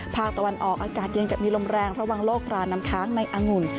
ภาคตะวันออกอากาศเย็นกับมีลมแรงระวังโรครานน้ำค้างในองุ่น